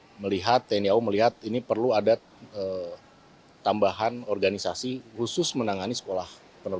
sehingga melihat tni au melihat ini perlu ada tambahan organisasi khusus menangani squadron helikopter